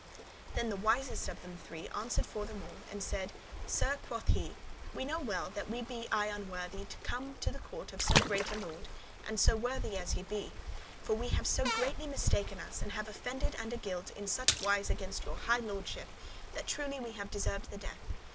Then the wisest of them three answered for them all, and said; "Sir," quoth he, "we know well, that we be I unworthy to come to the court of so great a lord and so worthy as ye be, for we have so greatly mistaken us, and have offended and aguilt [incurred guilt] in such wise against your high lordship, that truly we have deserved the death.